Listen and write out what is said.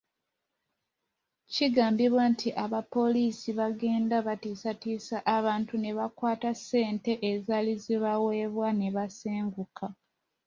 Kigambibwa nti abapoliisi baagendanga batiisatiisa abantu ne bakwata ssente ezaali zibaweebwa ne basenguka.